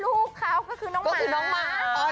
อ๋อลูกเค้าก็คือน้องหมา